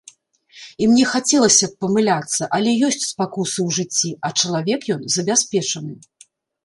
І мне хацелася б памыляцца, але ёсць спакусы ў жыцці, а чалавек ён забяспечаны.